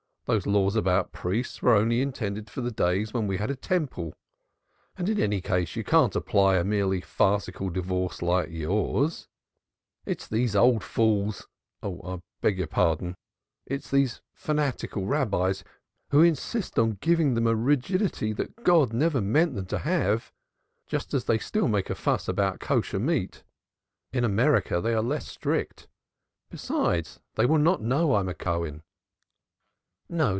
Those laws about priests were only intended for the days when we had a Temple, and in any case they cannot apply to a merely farcical divorce like yours. It is these old fools, I beg your pardon, it is these fanatical Rabbis who insist on giving them a rigidity God never meant them to have, just as they still make a fuss about kosher meat. In America they are less strict; besides, they will not know I am a Cohen." "No.